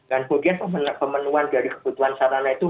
kemudian pemenuhan dari kebutuhan sarana itu